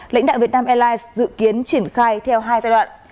lãnh đạo việt nam airlines dự kiến triển khai theo hai giai đoạn